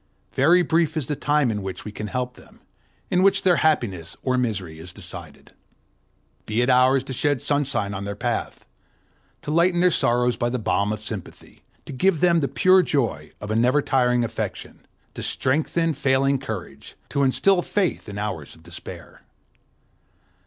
Very brief is the time in which we can help them, in which their happiness or misery is decided. Be it ours to shed sunshine on their path, to lighten their sorrows by the balm of sympathy, to give them the pure joy of a never tiring affection, to strengthen failing courage, to instil faith in hours of despair.